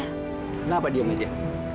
kenapa diem aja